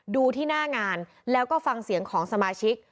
ดูที่หน้างานแล้วก็ฟังเสียงของสมาชิก